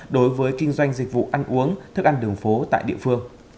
đối với kinh doanh dịch vụ ăn uống thức ăn đường phố tại địa phương